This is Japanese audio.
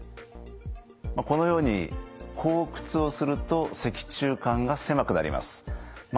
このように後屈をすると脊柱管が狭くなります。